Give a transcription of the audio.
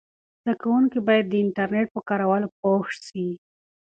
زده کوونکي باید د انټرنیټ په کارولو پوه سي.